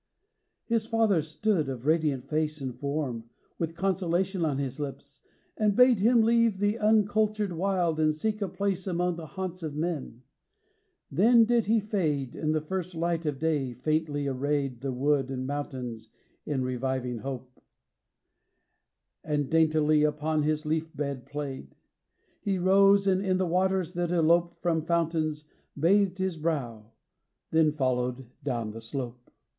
XXL His father stood, of radiant face and form, With consolation on his lips, and bade Him leave the uncultured wild and seek a place Among the haunts of men; then did he fade And the first light of day faintly arrayed The wood and mountains in reviving hope; And daintily upon his leaf bed played. He rose and, in the waters that elope From fountains, bathed his brow; then followed down the slope. 14 CHRISTMAS EVE.